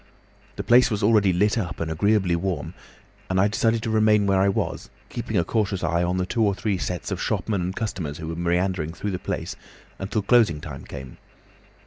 The place was already lit up and agreeably warm, and I decided to remain where I was, keeping a cautious eye on the two or three sets of shopmen and customers who were meandering through the place, until closing time came.